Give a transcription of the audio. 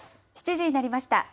７時になりました。